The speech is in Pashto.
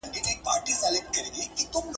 ايا هلک په رښتیا خندل؟